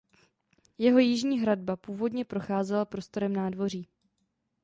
Jeho jižní hradba původně procházela prostorem nádvoří.